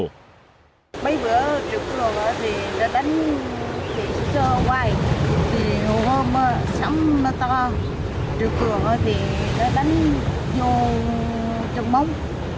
từ một mươi giờ cho đến năm giờ sáng